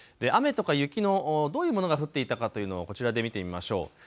雨とか雪、どういうものが降っていたかというのをこちらで見てみましょう。